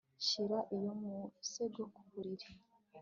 Shira iyo musego ku buriri